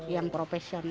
yang profesional ya